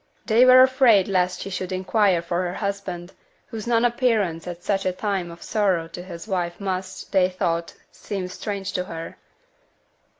They were afraid lest she should inquire for her husband, whose non appearance at such a time of sorrow to his wife must (they thought) seem strange to her.